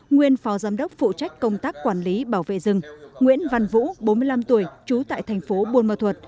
nguyên phó giám đốc phụ trách công tác quản lý bảo vệ rừng nguyễn văn vũ bốn mươi năm tuổi trú tại thành phố buôn mơ thuật